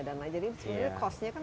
dan lain lain jadi sebenarnya cost nya kan